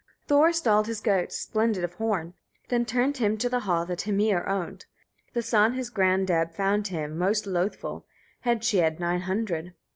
7. Thor stalled his goats, splendid of horn, then turned him to the hall that Hymir owned. The son his granddam found to him most loathful; heads she had nine hundred.